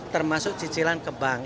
termasuk cicilan ke bank